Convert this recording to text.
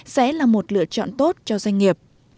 sẽ là một lựa chọn tốt cho doanh nghiệp